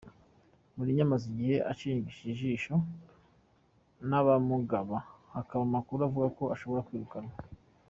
Mourinho amaze igihe ashinzw'ijisho n'abamugaba, hakaba amakuru avuga ko ashobora kwirukanwa.